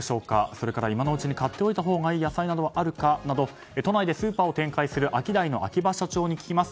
それから今のうちに買っておいたほうがいい野菜があるか都内でスーパーを展開するアキダイの秋葉社長に聞きます。